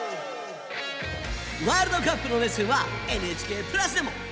ワールドカップの熱戦はＮＨＫプラスでも。